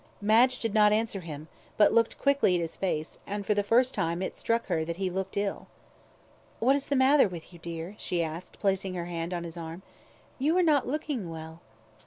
Madge did not answer him, but glanced quickly at his face, and for the first time it struck her that he looked ill. "What is the matter with you, dear?" she asked, placing her hand on his arm. "You are not looking well."